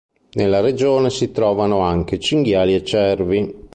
Nella regione si trovano anche cinghiali e cervi.